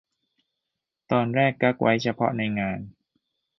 ตอนแรกกั๊กไว้เฉพาะในงาน